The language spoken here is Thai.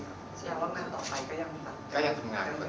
ก็ยังทำงาน